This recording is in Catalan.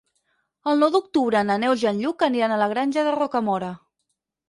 El nou d'octubre na Neus i en Lluc aniran a la Granja de Rocamora.